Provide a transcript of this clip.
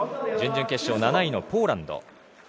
準々決勝７位のポーランド。